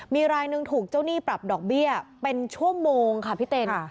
มีรายหนึ่งถูกเจ้าหนี้ปรับดอกเบี้ยเป็นชั่วโมงค่ะพี่เต้น